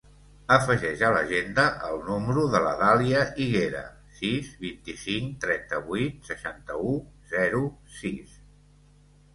Afegeix a l'agenda el número de la Dàlia Higuera: sis, vint-i-cinc, trenta-vuit, seixanta-u, zero, sis.